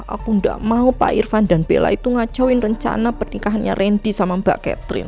aku nggak mau pak irfan dan bella itu ngacoin rencana pernikahannya randy sama mbak catherine